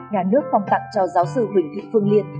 nhà nước phong tặng cho giáo sư hình thị thương liên